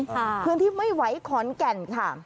พื้นที่ไม่ไหวขอนแก่นค่ะ